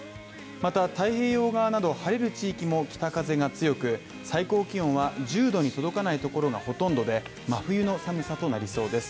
また太平洋側など晴れる地域も北風が強く、最高気温は１０℃に届かないところがほとんどで、真冬の寒さとなりそうです。